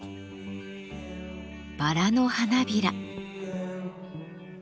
バラの花びら。